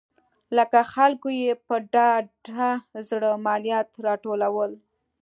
له خلکو یې په ډاډه زړه مالیات راټولول.